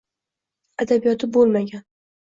Adabiyoti boʻlmagan